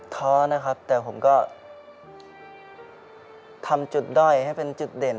ท้อนะครับแต่ผมก็ทำจุดด้อยให้เป็นจุดเด่น